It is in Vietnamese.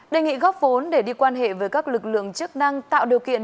đề nghị góp vốn để đi quan hệ với các lực lượng chức năng tạo điều kiện